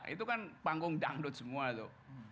itu kan panggung dangdut semua tuh